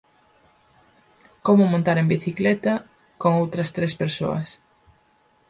Como montar en bicicleta... con outras tres persoas".